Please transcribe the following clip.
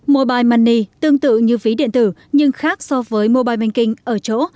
mobile money tương tự như ví điện tử nhưng khác so với mobile banking ở chỗ